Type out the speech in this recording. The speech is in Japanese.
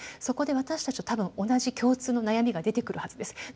そこで私たちと多分同じ共通の悩みが出てくるはずです。